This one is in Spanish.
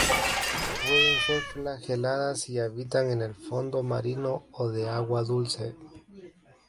Pueden ser flageladas y habitan en el fondo marino o de agua dulce.